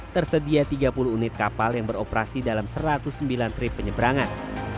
tersedia tiga puluh unit kapal yang beroperasi dalam satu ratus sembilan trip penyeberangan